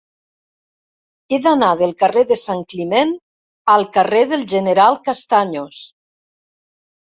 He d'anar del carrer d'en Santcliment al carrer del General Castaños.